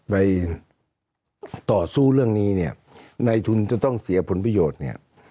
ไปต่อสู้เรื่องนี้ไนทุนจะต้องเสียผลประโยชน์